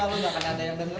tenang tenang aja cantik